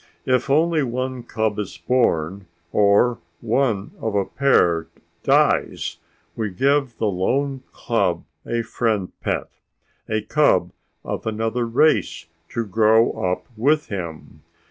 "If only one cub is born, or one of a pair dies, we give the lone cub a friend pet, a cub of another race to grow up with him.